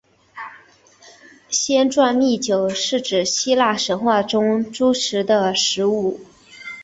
仙馔密酒是指希腊神话中诸神的食物。